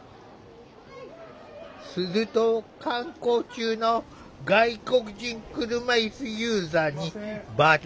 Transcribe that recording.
すると観光中の外国人車いすユーザーにばったり！